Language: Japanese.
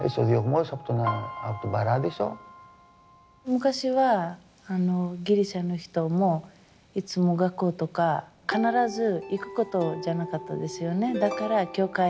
昔はギリシャの人もいつも学校とか必ず行くことじゃなかったですよね。